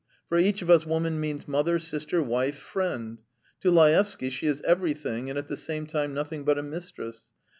For each of us woman means mother, sister, wife, friend. To Laevsky she is everything, and at the same time nothing but a mistress.